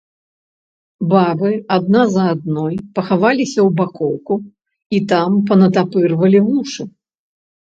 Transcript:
Бабы адна за адной пахаваліся ў бакоўку і там панатапырвалі вушы.